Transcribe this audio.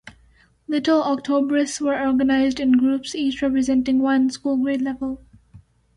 Little Octobrists were organized in groups each representing one school grade level.